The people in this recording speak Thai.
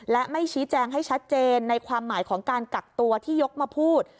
และไม่ชี้แจงให้ชัดเจนในความหมายของการกักตัวที่ยกมาพูด